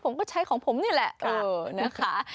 ผมก็ใช้ของผมนี่แหละนะคะ